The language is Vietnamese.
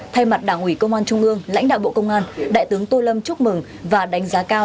thay mặt đảng ủy công an trung ương lãnh đạo bộ công an đại tướng tô lâm chúc mừng và đánh giá cao